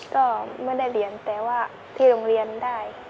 ก็ไม่ได้เรียนแต่ว่าที่โรงเรียนได้